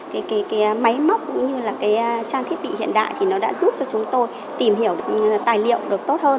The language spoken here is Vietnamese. cái máy móc cũng như là cái trang thiết bị hiện đại thì nó đã giúp cho chúng tôi tìm hiểu tài liệu được tốt hơn